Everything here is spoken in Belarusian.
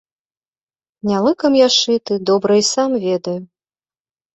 Не лыкам я шыты, добра і сам ведаю.